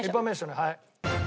はい。